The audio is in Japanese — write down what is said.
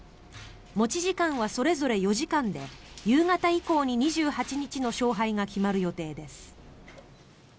持ち時間はそれぞれ４時間で夕方以降に２８日の勝敗が決まる予定です。